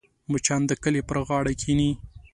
مچان د کالي پر غاړه کښېني